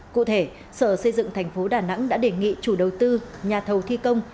cụ thể sở xây dựng thành phố đà nẵng đã đề nghị chủ đầu tư nhà thầu thi công